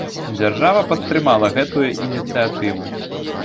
Дзяржава падтрымала гэтую ініцыятыву!